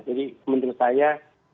jadi menurut saya